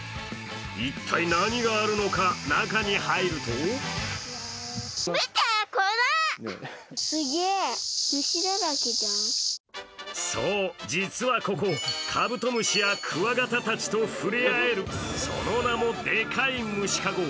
一体、何があるのか、中に入るとそう、実はここ、カブトムシやクワガタたちと触れ合えるその名も、デカイ虫かご。